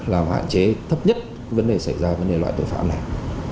làm hạn chế thấp nhất vấn đề xảy ra vấn đề loại tội phạm này